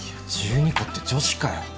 １２個って女子かよ。